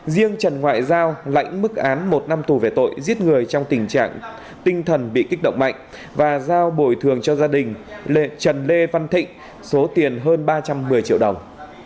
riêng trần ngoại giao lãnh mức án một năm tù về tội giết người trong tình trạng tinh thần bị kích động mạnh và giao bồi thường cho gia đình trần lê văn thịnh số tiền hơn ba trăm một mươi triệu đồng